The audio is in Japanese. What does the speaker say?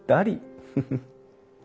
フフフッ。